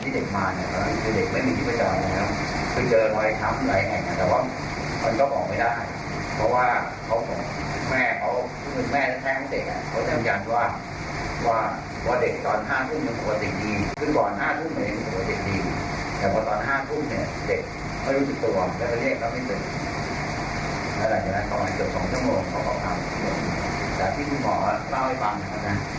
จนสัก๒ชั่วโมงของฟกคำครับแต่ที่คุณหมอเล่าให้คล่าวหนึ่งนะครับนะ